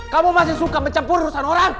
kamu masih suka mencampur urusan orang